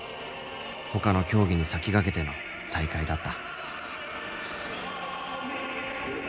ほかの競技に先駆けての再開だった。